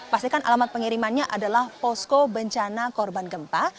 pastikan alamat pengirimannya adalah posko bencana korban gempa